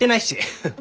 フッ。